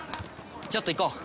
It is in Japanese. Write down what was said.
ちょっと行こう！